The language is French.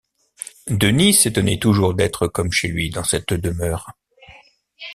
Denis s’étonnait toujours d’être comme chez lui dans cette demeure.